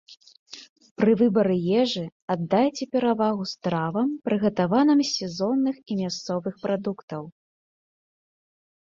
Пры выбары ежы, аддайце перавагу стравам, прыгатаваным з сезонных і мясцовых прадуктаў.